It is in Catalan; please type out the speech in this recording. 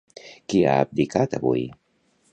Qui ha abdicat avui?